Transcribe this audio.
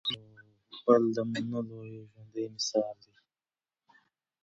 طبیعت د زغم او بل منلو یو ژوندی مثال دی.